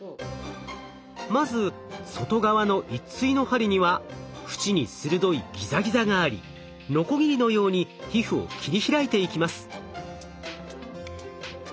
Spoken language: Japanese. まず外側の一対の針には縁に鋭いギザギザがありノコギリのように皮膚を切り開いていきます。